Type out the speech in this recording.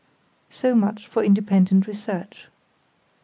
So much for independent research.